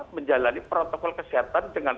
menjalani protokol kesehatan dengan